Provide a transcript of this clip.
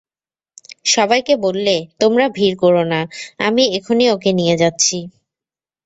সবাইকে বললে, তোমরা ভিড় কোরো না, আমি এখনই ওকে নিয়ে যাচ্ছি।